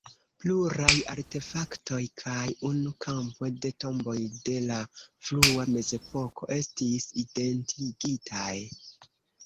Pluraj artefaktoj kaj unu kampo de tomboj de la frua mezepoko estis identigitaj.